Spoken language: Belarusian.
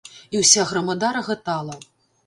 І ўся грамада рагатала.